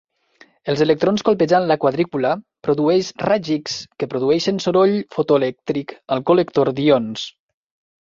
Els electrons colpejant la quadrícula produeix raigs X que produeixen soroll fotoelèctric al col·lector d'ions.